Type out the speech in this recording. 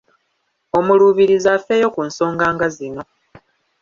Omuluubirizi afeeyo ku nsonga nga zino